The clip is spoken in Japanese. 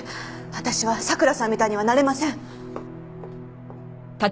私は佐倉さんみたいにはなれません。